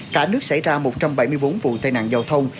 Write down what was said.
cả nước xảy ra một trăm bảy mươi bốn vụ tai nạn giao thông